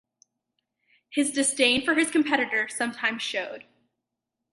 His disdain for his competitors sometimes showed.